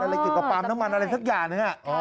อะไรกิจกระปำน้ำมันอะไรทุกอย่างนึงน่ะ